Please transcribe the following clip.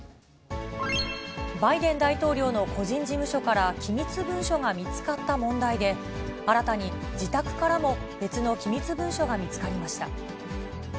バイデン大統領の個人事務所から機密文書が見つかった問題で、新たに自宅からも別の機密文書が見つかりました。